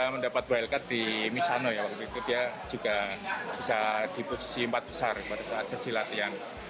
mendapat wildcard di misano ya waktu itu dia juga bisa diposisi empat besar pada saat sesi latihan